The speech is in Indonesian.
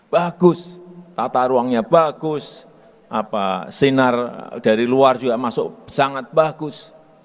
bagus tata ruangnya bagus sinar dari luar juga masuk sangat bagus